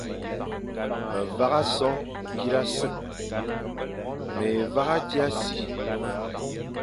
Me vagha so kirase, mé vagha dia si,